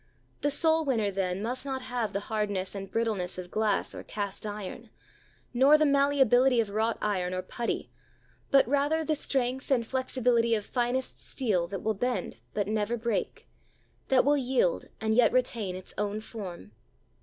The soul winner, then, must not have the hard ness and brittleness of glass or cast iron, nor the malleability of wrought iron or putty, but rather the strength and flexibility of finest steel that will bend but never break, that will yield and yet retain its own form.